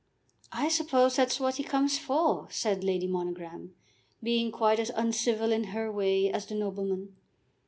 "I suppose that's what he comes for," said Lady Monogram, being quite as uncivil in her way as the nobleman.